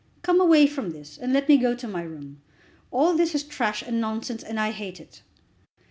Come away from this, and let me go to my room. All this is trash and nonsense, and I hate it."